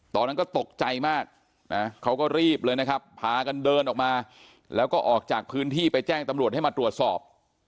ตอนนั้นก็ตกใจมากนะเขาก็รีบเลยนะครับพากันเดินออกมาแล้วก็ออกจากพื้นที่ไปแจ้งตำรวจให้มาตรวจสอบ